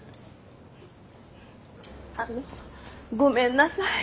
あのごめんなさい。